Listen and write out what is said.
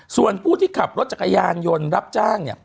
ส่วนผู้ที่ขับรถจักรยานยนต์รับจ้างเนี่ย